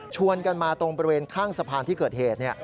กันมาตรงบริเวณข้างสะพานที่เกิดเหตุ